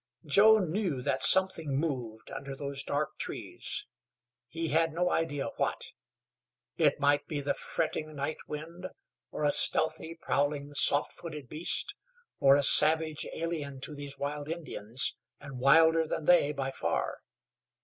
Joe knew that something moved under those dark trees. He had no idea what. It might be the fretting night wind, or a stealthy, prowling, soft footed beast, or a savage alien to these wild Indians, and wilder than they by far.